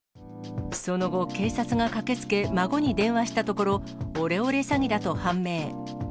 その後、警察が駆けつけ、孫に電話したところ、オレオレ詐欺だと判明。